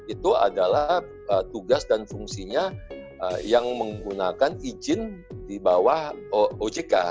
itu adalah tugas dan fungsinya yang menggunakan izin di bawah ojk